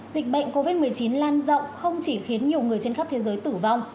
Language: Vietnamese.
dịch bệnh covid một mươi chín lan rộng không chỉ khiến nhiều người trên khắp thế giới tử vong